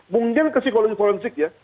mungkin ke psikologi forensik ya